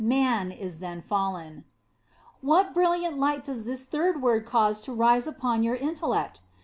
Man is then fallen. What brilliant light does this third word cause to rise upon your intellect!